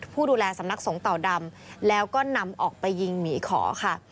ผู้ดูแลสำนักสงฆ์เต่าดำแล้วก็นำออกไปยิงหมีขอค่ะ